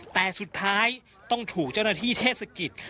แต่สุดท้ายต้องถูกเจ้าหน้าที่เทศกิจ